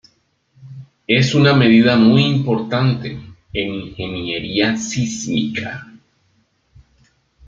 Es una medida muy importante en ingeniería sísmica.